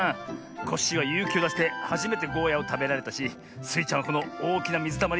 コッシーはゆうきをだしてはじめてゴーヤをたべられたしスイちゃんはこのおおきなみずたまりとびこえられたしな。